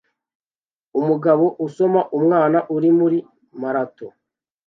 Umugabo asoma umwana urira muri marato